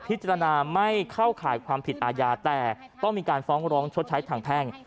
แต่ต้องมีการฟ้องร้องชดใช้ทางแพง